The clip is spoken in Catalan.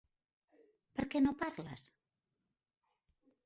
Per què no parles?